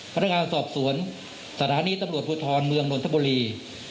พนักงานสอบสวนสถานีตำรวจภูทรเมืองนนทบุรี